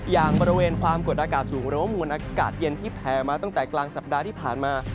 อย่างบริเวณความกดอากาศสูงหรือว่ามวลอากาศเย็นที่แผ่มาตั้งแต่กลางสัปดาห์ที่ผ่านมา